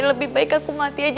lebih baik aku mati aja